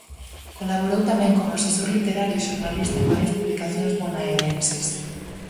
Colaborou tamén como asesor literario e xornalista en varias publicacións bonaerenses.